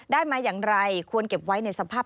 ได้มาอย่างไรควรเก็บไว้ในสภาพนั้นนะครับ